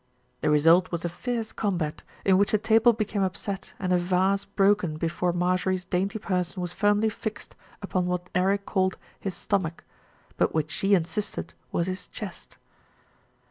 The result was a fierce combat, in which a table became upset and a vase broken before Marjorie's dainty person was firmly fixed upon what Eric called his stomach; but which she in sisted was his chest.